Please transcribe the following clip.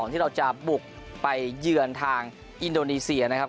ที่เราจะบุกไปเยือนทางอินโดนีเซียนะครับ